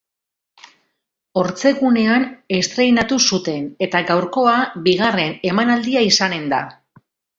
Ortzegunean estreinatu zuten eta gaurkoa bigarern emanaldia izanen da.